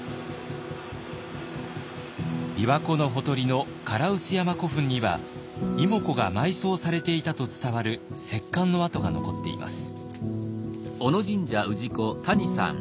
びわ湖のほとりの唐臼山古墳には妹子が埋葬されていたと伝わる石棺の跡が残っています。